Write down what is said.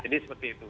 jadi seperti itu